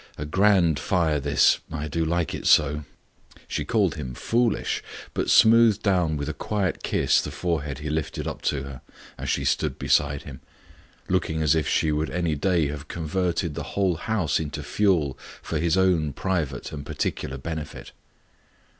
A grand fire this! I do like it so!" She called him "foolish;" but smoothed down with a quiet kiss the forehead he lifted up to her as she stood beside him, looking as if she would any day have converted the whole house into fuel for his own private and particular benefit.